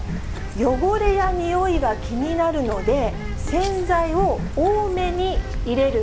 汚れやにおいが気になるので、洗剤を多めに入れる。